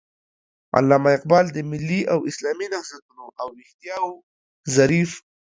علامه اقبال د ملي او اسلامي نهضتونو او ويښتياو ظريف